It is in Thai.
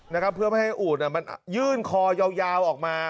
นะครับเพื่อไม่ให้อูดมันยื่นคอยาวออกมา